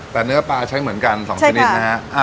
แต่เนื้อปลาใช้เหมือนกัน๒ชนิดนะฮะ